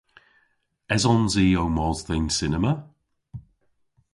Esons i ow mos dhe'n cinema?